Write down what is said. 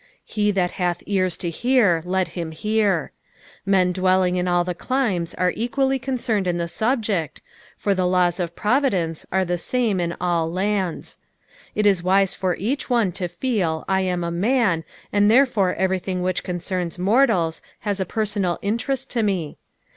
'^" He that hath ears to hear let him hear." Hea dwelling in all climes are equally concerned in the subject, for the laws of providence are the same in all lands. It is wise for each one to feel I wn a nuin, and therefore everything which con cerns mortals has a personal interest to me.